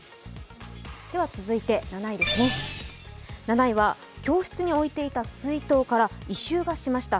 続いて７位は、教室に置いていた水筒から異臭がしました。